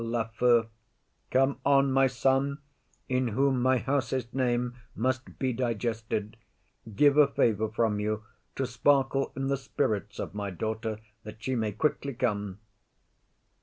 LAFEW. Come on, my son, in whom my house's name Must be digested; give a favour from you, To sparkle in the spirits of my daughter, That she may quickly come.